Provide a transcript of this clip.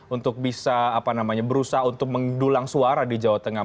untuk bisa berusaha untuk mendulang suara di jawa tengah